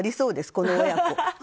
この親子。